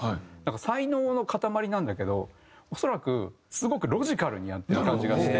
才能の塊なんだけど恐らくすごくロジカルにやってる感じがして。